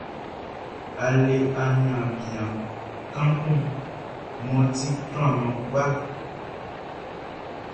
A le aniaan bian kaan kun mʼɔ ti klanman kpaʼn.